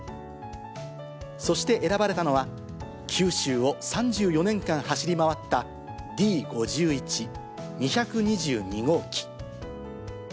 そして選ばれたのは、九州を３４年間走り回ったＤ５１２２２号機。